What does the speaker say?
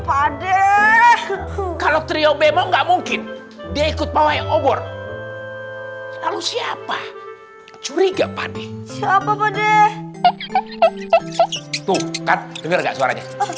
pade kalau trio bemo nggak mungkin dia ikut bawah obor lalu siapa curiga pade siapa pade tuh kan denger gak suaranya